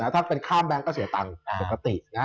ถ้าเป็นข้ามแบนก็สาเหต่างกกติ